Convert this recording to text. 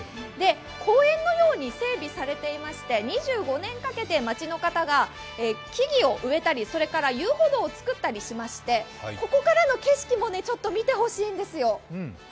公園のように整備されていまして、２５年かけて街の方が木々を植えたり遊歩道をつくったりしましてここからの景色もちょっと見てほしいんですよ。